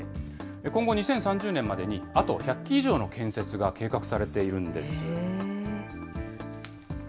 今後２０３０年までに、あと１００基以上の建設が計画されているんです。